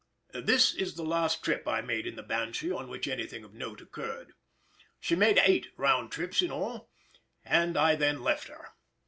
This is the last trip I made in the Banshee on which anything of note occurred. She made eight round trips in all, and I then left her.